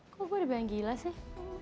kok gue lebih yang gila sih